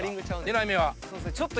狙い目は。